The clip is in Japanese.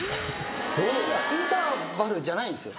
インターバルじゃないんすよ。